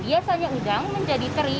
biasanya udang menjadi teri